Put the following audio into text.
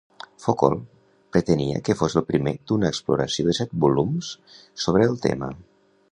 Foucault pretenia que fos el primer d'una exploració de set volums sobre el tema.